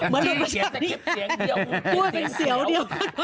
พูดเป็นเสียวเดียว